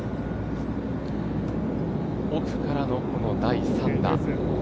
奥からの第３打。